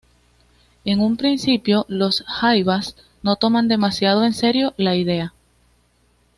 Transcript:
En un principio, Los Jaivas no toman demasiado en serio la idea.